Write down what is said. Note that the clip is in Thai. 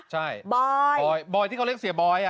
ใช่บอยบอยที่เขาเรียกเสียบอย